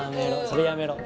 それやめろ。